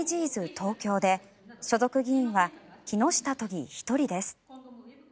東京で所属議員は木下都議１人です。